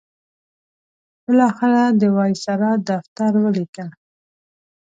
بالاخره د وایسرا دفتر ولیکل.